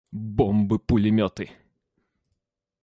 Бомбы-пулеметы!